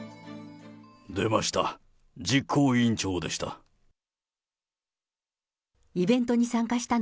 出ました、実行委員長でした。